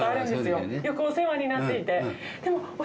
よくお世話になっていて。